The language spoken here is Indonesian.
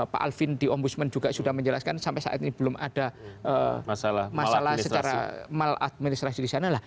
pak alvin di ombudsman juga sudah menjelaskan sampai saat ini belum ada masalah secara maladministrasi di sana lah